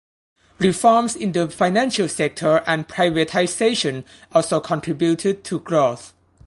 Reforms in the financial sector and privatization also contributed to growth.